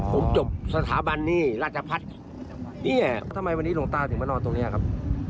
ผมจบสถาบันนี้ราชพัฒน์เนี่ยทำไมวันนี้หลวงตาถึงมานอนตรงนี้ครับ